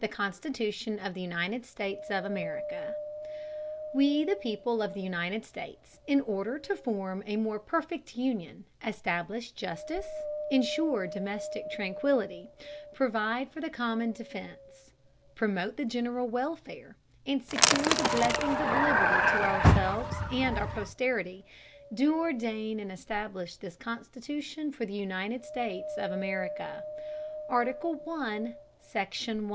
CONSTITUTION OF THE UNITED STATES OF AMERICA WE THE PEOPLE of the United States, in Order to form a more perfect Union, establish Justice, insure domestic Tranquility, provide for the common defence, promote the general Welfare, and secure the Blessings of Liberty to ourselves and our Posterity, do ordain and establish this CONSTITUTION for the United States of America. ARTICLE. I. SECTION.